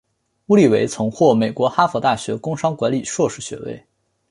乌里韦曾获美国哈佛大学工商管理硕士学位。